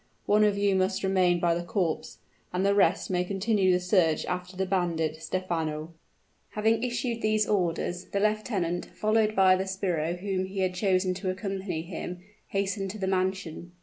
One of you must remain by the corpse and the rest may continue the search after the bandit, Stephano." Having issued these orders, the lieutenant, followed by the sbirro whom he had chosen to accompany him, hastened to the mansion.